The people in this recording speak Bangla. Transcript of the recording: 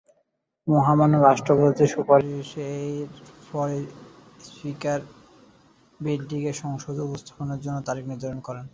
মহামান্য রাষ্ট্রপতির সুপারিশের পর স্পীকার বিলটিকে সংসদে উপস্থাপনের জন্য তারিখ নির্ধারণ করেন।